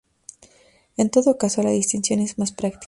En todo caso, la distinción es más práctica.